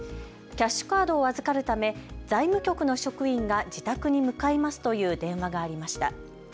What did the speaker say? キャッシュカードを預かるため財務局の職員が自宅に向かいますという電話がありました。